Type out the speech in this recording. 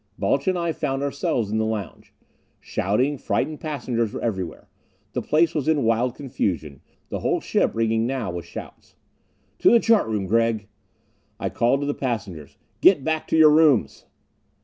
Balch and I found ourselves in the lounge. Shouting, frightened passengers were everywhere. The place was in wild confusion, the whole ship ringing now with shouts. "To the chart room, Gregg!" I called to the passengers: "Get back to your rooms!"